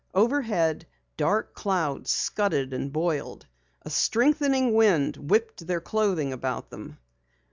Overhead, dark clouds scudded and boiled; a strengthening wind whipped their clothing about them.